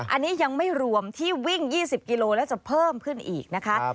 อันนี้ยังไม่รวมที่วิ่ง๒๐กิโลแล้วจะเพิ่มขึ้นอีกนะคะ